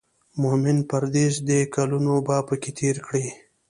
مومن پردېس دی کلونه به پکې تېر کړي.